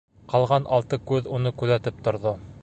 Ҡалған алты күҙ уны күҙәтеп торҙо.